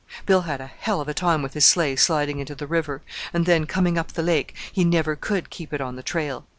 Bill had a hell of a time with his sleigh sliding into the river; and then, coming up the lake, he never could keep it on the trail.